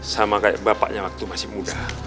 sama kayak bapaknya waktu masih muda